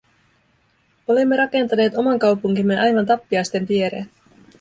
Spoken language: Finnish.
Olimme rakentaneet oman kaupunkimme aivan tappiaisten viereen.